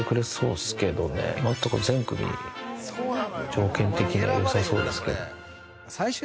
条件的には良さそうですけど。